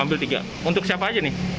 ambil tiga untuk siapa aja nih